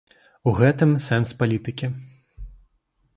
У гэтым сэнс палітыкі.